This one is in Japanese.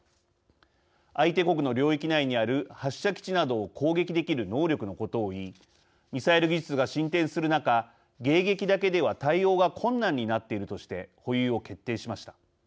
相手国の領域内にある発射基地などを攻撃できる能力のことを言いミサイル技術が進展する中迎撃だけでは対応が困難になっているとして保有を決定しました。